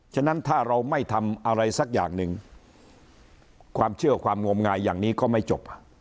ฉะนั้นถ้าเราไม่ทำอะไรสักอย่างหนึ่งความเชื่อความงมงายอย่างนี้ก็ไม่จบ